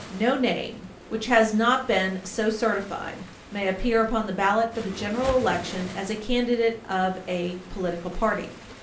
No name which has not been so certified may appear upon the ballot for the general election as a candidate of a political party.